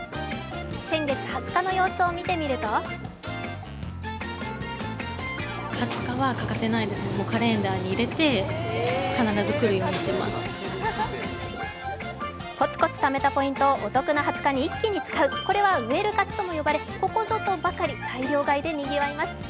先月２０日の様子を見てみるとコツコツためたポイントをお得な２０日に一気に使う、これはウエル活とも呼ばれ、ここぞとばかり大量買いでにぎわいます。